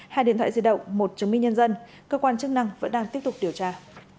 hai điện thoại di động một chứng minh nhân dân cơ quan chức năng vẫn đang tiếp tục điều tra